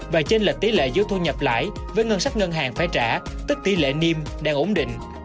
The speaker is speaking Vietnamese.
và chênh lệch tỷ lệ dưới thu nhập lãi với ngân sách ngân hàng phải trả tức tỷ lệ niêm đang ổn định